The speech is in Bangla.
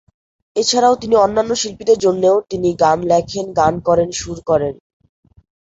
এছাড়া তিনি অন্যান্য শিল্পীদের জন্যও তিনি গান লেখেন, গান করেন, সুর করেন।